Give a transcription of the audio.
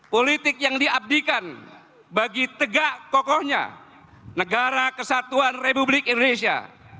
politik yang diabdikan bagi tegak kokohnya negara kesatuan republik indonesia